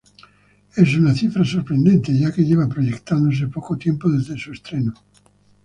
Es una cifra sorprendente, ya que lleva proyectándose poco tiempo desde su estreno.